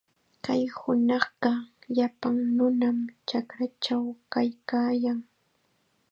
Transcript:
Kay hunaqqa llapan nunam chakrachaw kaykaayan.